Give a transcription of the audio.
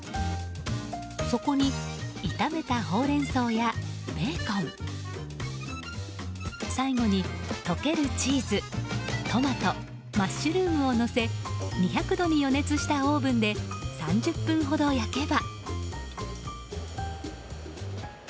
そこに炒めたホウレンソウやベーコン最後に、溶けるチーズトマト、マッシュルームをのせ２００度に予熱したオーブンで３０分ほど焼けば。